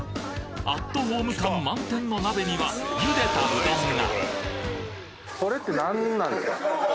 アットホーム感満点の鍋には茹でたうどんが！